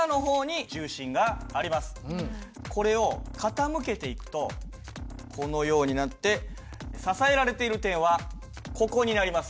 これを傾けていくとこのようになって支えられている点はここになります。